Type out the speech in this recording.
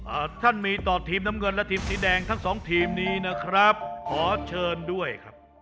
ท่านมีต่อทีมน้ำเงินและทีมสีแดงทั้งสองทีมนี้นะครับขอเชิญด้วยครับ